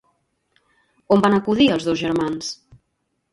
On van acudir els dos germans?